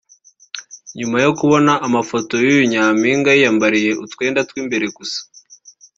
nyuma yo kubona amafoto y’uyu nyampinga yiyambariye utwenda tw’imbere gusa